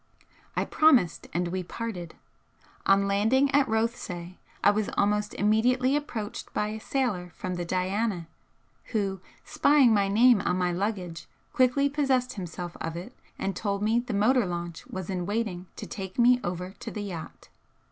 I promised, and we parted. On landing at Rothesay I was almost immediately approached by a sailor from the 'Diana,' who, spying my name on my luggage, quickly possessed himself of it and told me the motor launch was in waiting to take me over to the yacht.